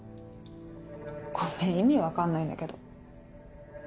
ごめん意味分かんないんだけど。